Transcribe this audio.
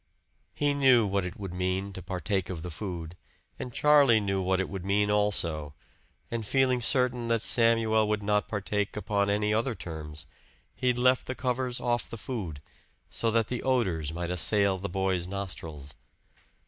He knew what it would mean to partake of the food, and Charlie knew what it would mean also; and feeling certain that Samuel would not partake upon any other terms, he left the covers off the food, so that the odors might assail the boy's nostrils.